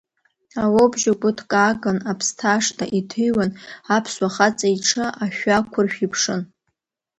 Ауоубжьы гәыҭкааган аԥсҭа ашҭа иҭыҩуан, аԥсуа хаҵа иҽы ашәы ақәыршә иԥшын…